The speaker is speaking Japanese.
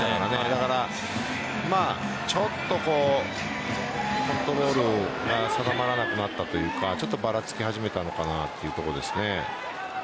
だから、ちょっとコントロールが定まらなくなったというかばらつき始めたのかなというところですね。